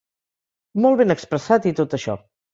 Molt ben expressat i tot això.